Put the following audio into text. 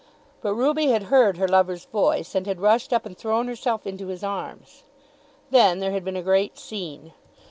But Ruby had heard her lover's voice, and had rushed up and thrown herself into his arms. Then there had been a great scene.